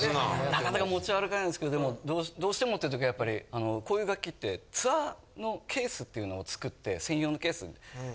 なかなか持ち歩かないんですけどでもどうしてもっていう時はやっぱりこういう楽器ってツアーのケースっていうのを作って。